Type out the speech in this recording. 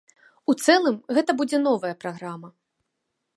У цэлым гэта будзе новая праграма.